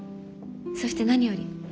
そして何より。